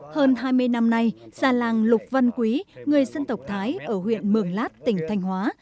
hơn hai mươi năm nay gia làng lục văn quý người dân tộc thái ở huyện mường lát tỉnh thanh hóa